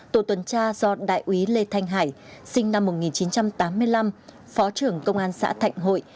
tổ tuần tra do đại úy lê thanh hải sinh năm một nghìn chín trăm tám mươi năm phó trưởng công an xã thạnh hội